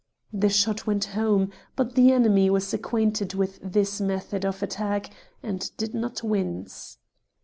The shot went home, but the enemy was acquainted with this method of attack, and did not wince.